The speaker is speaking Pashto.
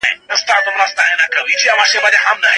ټولني خپل کلتوري ارزښتونه وساتل.